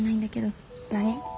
何？